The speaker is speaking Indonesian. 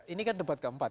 ini kan debat keempat